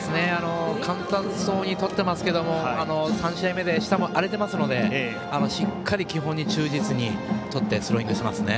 簡単そうにとってますけど３試合目でしかも荒れてますのでしっかり基本に忠実にとってスローイングしてますね。